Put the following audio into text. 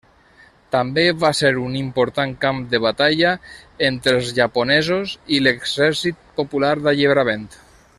També va ser un important camp de batalla entre els japonesos i l'Exèrcit Popular d'Alliberament.